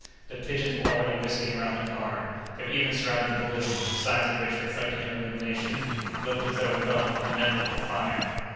The pigeons were already whisking around the car; they were even surrounding the balloon, the sides of which, reflecting their illumination, looked as though enveloped with a network of fire.